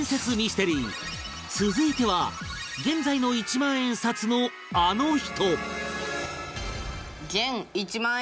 続いては現在の一万円札のあの人